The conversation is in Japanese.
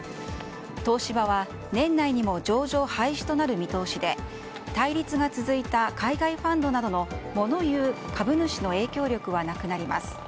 東芝は年内にも上場廃止となる見通しで対立が続いた海外ファンドなどの物言う株主の影響力はなくなります。